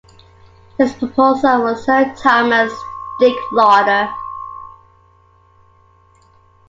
His proposer was Sir Thomas Dick Lauder.